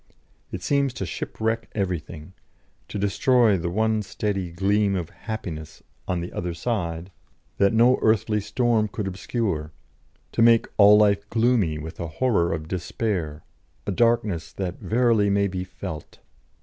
It seems to shipwreck everything, to destroy the one steady gleam of happiness "on the other side" that no earthly storm could obscure; to make all life gloomy with a horror of despair, a darkness that verily may be felt.